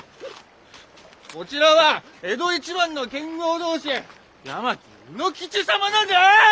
こちらは江戸一番の剣豪同心八巻卯之吉様だぜえ！